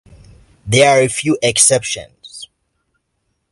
There are a few exceptions.